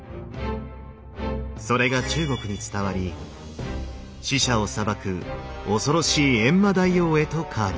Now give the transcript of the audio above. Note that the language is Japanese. それが中国に伝わり死者を裁く恐ろしい閻魔大王へと変わります。